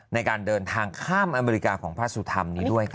ในการเดินทางข้ามอเมริกาของพระสุธรรมนี้ด้วยค่ะ